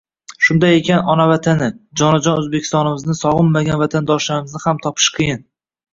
Shunday ekan, ona Vatani – jonajon Oʻzbekistonimizni sogʻinmagan vatandoshlarimizni ham topish qiyin.